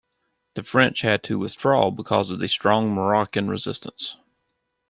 The French had to withdraw because of the strong Moroccan resistance.